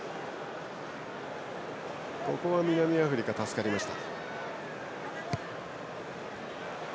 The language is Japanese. ここは南アフリカ、助かりました。